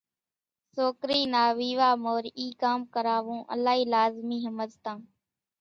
سوڪرِي نا ويوا مورِ اِي ڪام ڪراوون الائِي لازمِي ۿمزتان۔